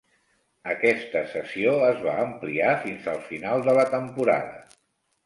Aquesta cessió es va ampliar fins al final de la temporada.